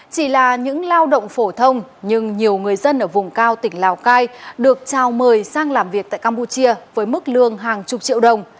chỉ là những lao động phổ thông nhưng nhiều người dân ở vùng cao tỉnh lào cai được trao mời sang làm việc tại campuchia với mức lương hàng chục triệu đồng